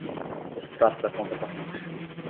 Extrato da conta corrente